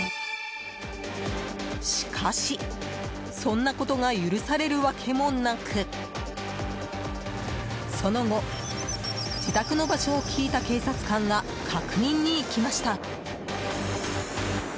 しかし、そんなことが許されるわけもなくその後、自宅の場所を聞いた警察官が確認に行きました。